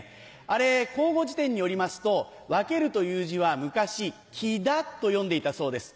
あれ口語事典によりますと「分ける」という字は昔「きだ」と読んでいたそうです。